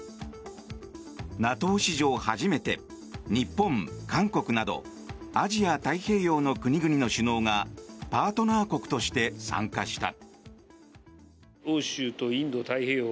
ＮＡＴＯ史上初めて日本、韓国などアジア太平洋の国々の首脳がパートナー国として参加した。